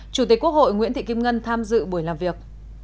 chủ tịch quốc hội nguyễn thị kim ngân tham dự buổi làm việc